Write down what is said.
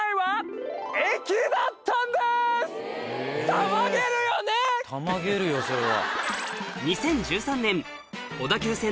たまげるよそれは。